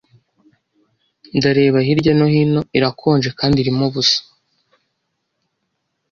Ndareba hirya no hino irakonje kandi irimo ubusa